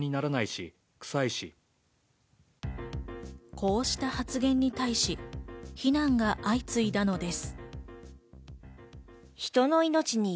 こうした発言に対し非難が相次いだのです。